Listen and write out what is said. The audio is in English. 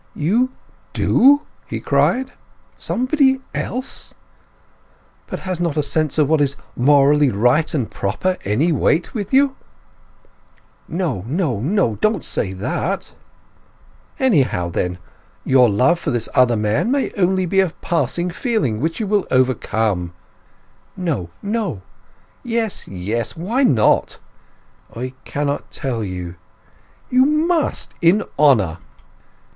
"You do?" he cried. "Somebody else? But has not a sense of what is morally right and proper any weight with you?" "No, no, no—don't say that!" "Anyhow, then, your love for this other man may be only a passing feeling which you will overcome—" "No—no." "Yes, yes! Why not?" "I cannot tell you." "You must in honour!"